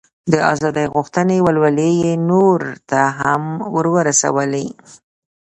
د ازادۍ غوښتنې ولولې یې نورو ته هم ور ورسولې.